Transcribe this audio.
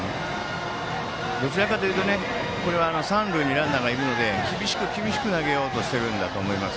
どちらかというと三塁にランナーがいるので厳しく厳しく投げようとしているんだと思います。